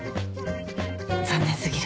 残念過ぎる。